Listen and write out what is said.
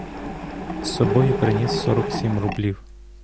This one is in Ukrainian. З собою приніс сорок сім рублів.